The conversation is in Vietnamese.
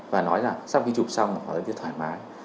và nói là sau khi chụp xong họ sẽ thỏa mãi